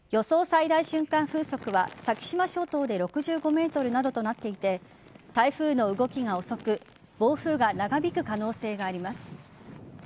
最大瞬間風速は先島諸島で６５メートルなどとなっていて台風の動きが遅く暴風が長引く可能性があります。